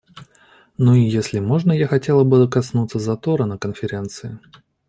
Ну и если можно, я хотела бы коснуться затора на Конференции.